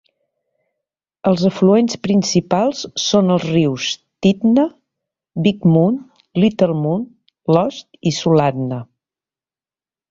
Els afluents principals són els rius Titna, Big Mud, Little Mud, Lost i Sulatna.